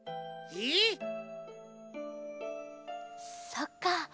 そっか